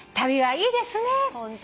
いいですね！